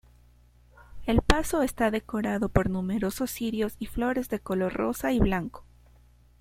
El paso está decorado por numerosos cirios y flores de color rosa y blanco.